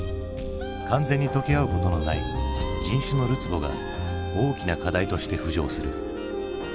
完全に溶け合うことのない人種のるつぼが大きな課題として浮上する。